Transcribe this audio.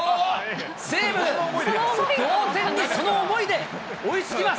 西武、同点にその思いで追いつきます。